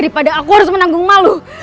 dia tidak akan kembali